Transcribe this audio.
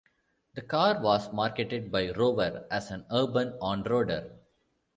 The car was marketed by Rover as an 'urban on-roader'.